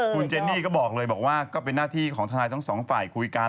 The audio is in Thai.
คุณเจนี่ก็บอกเลยบอกว่าก็เป็นหน้าที่ของทนายทั้งสองฝ่ายคุยกัน